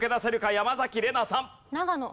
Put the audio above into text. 山崎怜奈さん。